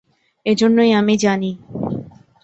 এজন্যই আমি জানি।